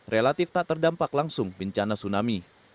relatif tak terdampak langsung bencana tsunami